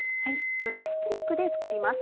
豚ひき肉で作ります。